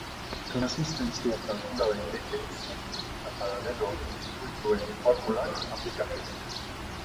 Erresistentzia kalkula daiteke serie eta paralelo zirkuituen formulak aplikatuz.